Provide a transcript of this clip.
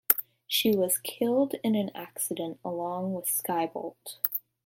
She was killed in an accident along with Skybolt.